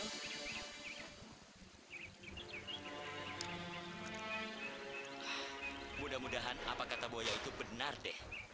mudah mudahan apa kata buaya itu benar deh